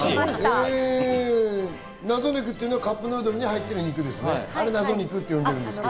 謎肉っていうのはカップヌードルに入ってる肉ですね。